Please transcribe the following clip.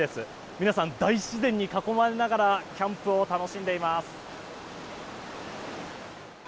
皆さん、大自然に囲まれながらキャンプを楽しんでいます。